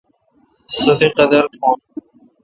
سو تی قادر تھون۔